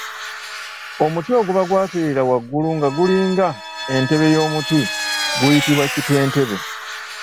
Omuti oguba gwatereera waggulu nga gulinga entebe ey’omuti guyitibwa kitwentebe.